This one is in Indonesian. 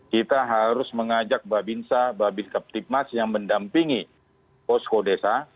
kita harus mengajak babinsa babins keptikmas yang mendampingi posko desa